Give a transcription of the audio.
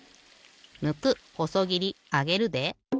むくほそぎりあげるで。